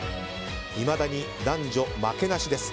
いまだに男女負けなしです。